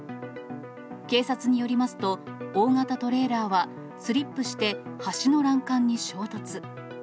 警察によりますと、大型トレーラーは、スリップして橋の欄干に衝突。